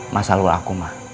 masalah lu aku